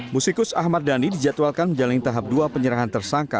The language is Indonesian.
musikus ahmad dhani dijadwalkan menjalani tahap dua penyerahan tersangka